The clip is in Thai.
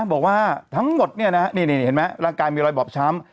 บอกว่าทั้งหมดเนี้ยนะนี่นี่นี่เห็นไหมร่างกายมีรอยบอบช้ำ